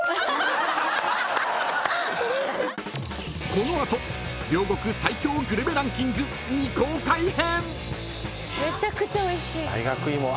［この後両国最強グルメランキング未公開編！］